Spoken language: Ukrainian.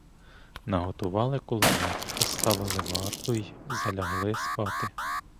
Наготували кулемет, поставили варту й залягли спати.